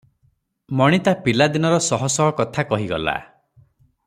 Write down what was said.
ମଣି ତା ପିଲାଦିନର ଶହଶହ କଥା କହିଗଲା ।